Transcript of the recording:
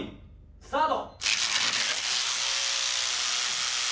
スタート。